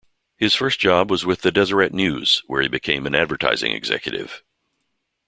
His first job was with the "Deseret News", where he became an advertising executive.